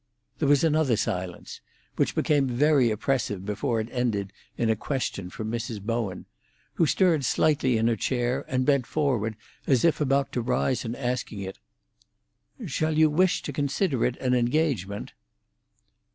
There was another silence, which became very oppressive before it ended in a question from Mrs. Bowen, who stirred slightly in her chair, and bent forward as if about to rise in asking it. "Shall you wish to consider it an engagement?"